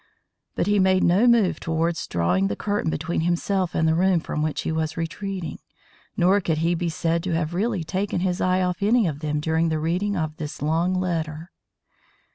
But he made no move towards drawing the curtain between himself and the room from which he was retreating, nor could he be said to have really taken his eye off any of them during the reading of this long letter.